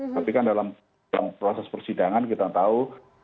tapi kan dalam proses persidangan kita tahu